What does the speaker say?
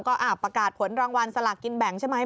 ก็ประกาศผลรางวัลสลากกินแบ่งใช่ไหม